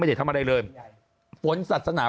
ตามวิดีโอ